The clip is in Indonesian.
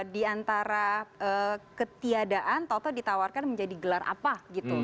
di antara ketiadaan toto ditawarkan menjadi gelar apa gitu